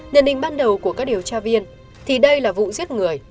nhận định ban đầu của các điều tra viên thì đây là vụ giết người